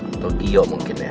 atau gio mungkin ya